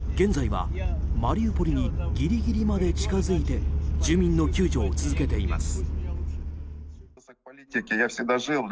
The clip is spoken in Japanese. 現在は、マリウポリにギリギリまで近づいて住民の救助を続けています。